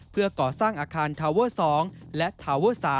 เพื่อก่อสร้างอาคารทาวเวอร์๒และทาวเวอร์๓